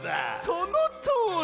そのとおり！